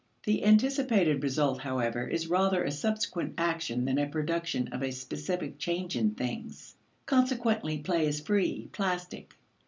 The anticipated result, however, is rather a subsequent action than the production of a specific change in things. Consequently play is free, plastic.